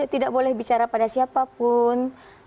tidak boleh bicara pada siapapun